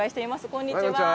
こんにちは。